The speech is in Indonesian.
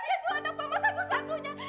dia itu kan harta mama satu satunya